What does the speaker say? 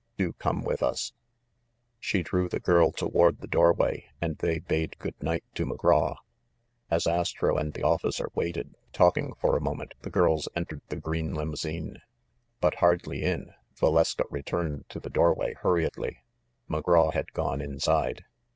Do come with us !" She drew tHe girl toward the doorway and they bade good night to McGraw. As Astro and the officer waited talking for a moment, the girls entered the green limousine. But, hardly in, Valeska returned to the doorway hurriedly. McGraw had gone inside.